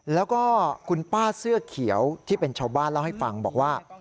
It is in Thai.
แล้วก็คุณป้าเสื้อเขียวที่เป็นชาวบ้านเล่าให้ฟังบอกว่า